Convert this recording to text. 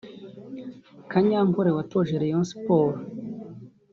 Kanyankore watoje Rayon Sports